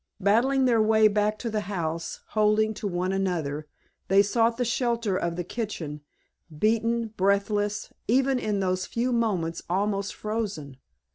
Battling their way back to the house, holding to one another, they sought the shelter of the kitchen, beaten, breathless, even in those few moments almost frozen.